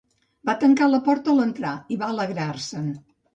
Va tancar la porta al entrar i va alegrar-se'n.